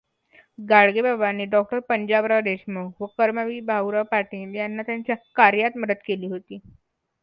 गाडगेबाबांनी डॉ. पंजाबराव देशमुख, व कर्मवीर भाऊराव पाटील यांना त्यांच्या कार्यात मदत केली होती.